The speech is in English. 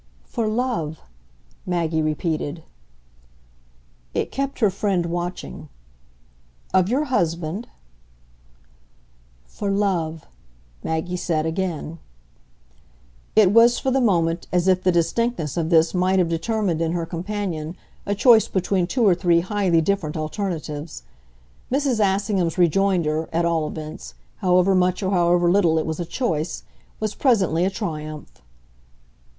"For love," Maggie repeated. It kept her friend watching. "Of your husband?" "For love," Maggie said again. It was, for the moment, as if the distinctness of this might have determined in her companion a choice between two or three highly different alternatives. Mrs. Assingham's rejoinder, at all events however much or however little it was a choice was presently a triumph.